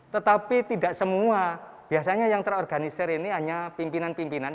tetapi tidak semua biasanya yang terorganisir ini hanya pimpinan pimpinan